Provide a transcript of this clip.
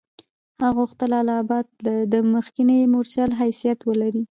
هغه غوښتل اله آباد د مخکني مورچل حیثیت ولري.